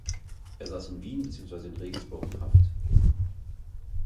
Er saß in Wien beziehungsweise in Regensburg in Haft.